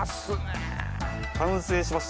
完成しました。